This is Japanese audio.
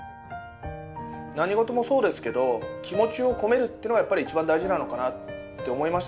何事もそうですけど気持ちを込めるっていうのがやっぱり一番大事なのかなって思いましたので。